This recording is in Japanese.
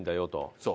そう。